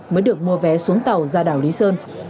mới được mua vé xuống tàu ra đảo lý sơn